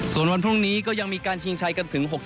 ส่วนวันพรุ่งนี้ก็ยังมีการชิงชัยกันถึง๖๐